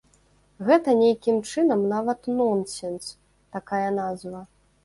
Гэта нейкім чынам нават нонсенс, такая назва.